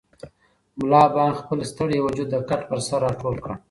ملا بانګ خپل ستړی وجود د کټ پر سر راټول کړ.